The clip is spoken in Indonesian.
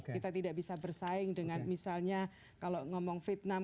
kita tidak bisa bersaing dengan misalnya kalau ngomong vietnam